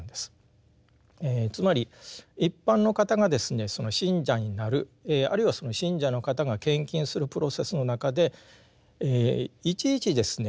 つまり一般の方がですねその信者になるあるいはその信者の方が献金するプロセスの中でいちいちですね